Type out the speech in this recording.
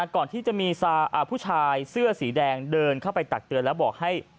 ก่อนที่จะมีผู้ชายเสื้อสีแดงเดินเข้าไปตักเตือนแล้วบอกให้